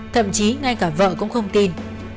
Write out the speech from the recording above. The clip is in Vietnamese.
thậm chí ngay cả vợ cũng không tin